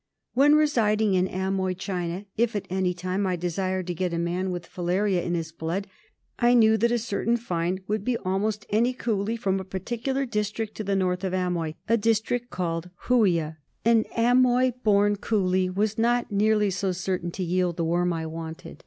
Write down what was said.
When residing in Amoy, China, if at any time I desired to get a man with filariae in his blood, I knew that a certain find would be almost any Coolie from a par ticular district to the north of Amoy, a district called Hooioah. An Amoy born Coolie was not nearly so certain to yield the worm I wanted.